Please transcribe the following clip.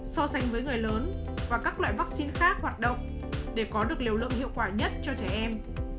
so sánh với người lớn và các loại vaccine khác hoạt động để có được liều lượng hiệu quả nhất cho trẻ em